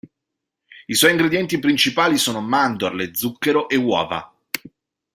I suoi ingredienti principali sono mandorle, zucchero e uova.